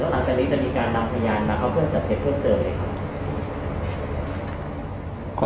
หลังจากนี้จะมีการนำพยานมาเข้าเครื่องจับเท็จเพิ่มเติมไหมครับ